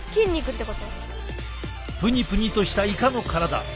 プニプニとしたイカの体。